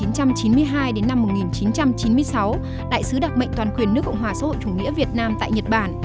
năm một nghìn chín trăm chín mươi hai đến năm một nghìn chín trăm chín mươi sáu đại sứ đặc mệnh toàn quyền nước cộng hòa xã hội chủ nghĩa việt nam tại nhật bản